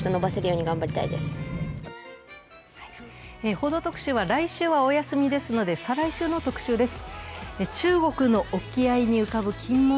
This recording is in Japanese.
「報道特集」、来週はお休みですので、再来週の特集です。